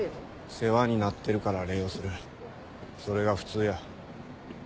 世話になってるから礼をするそれが普通や。